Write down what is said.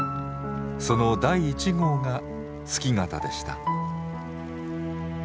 その第１号が月形でした。